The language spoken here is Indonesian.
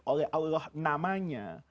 oleh allah nama nya